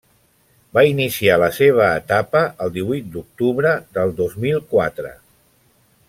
Va iniciar la seva etapa el divuit d’octubre del dos mil quatre.